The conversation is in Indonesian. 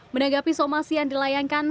menanggapi somasi yang dilayankan